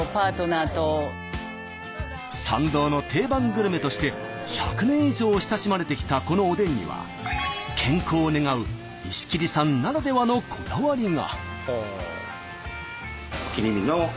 参道の定番グルメとして１００年以上親しまれてきたこのおでんには健康を願う石切さんならではのこだわりが。